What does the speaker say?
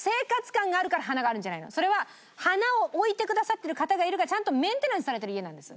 それは花を置いてくださってる方がいるからちゃんとメンテナンスされてる家なんです。